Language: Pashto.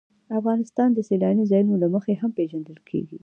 افغانستان د سیلاني ځایونو له مخې هم پېژندل کېږي.